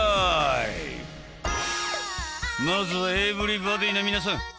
まずはエブリバディな皆さん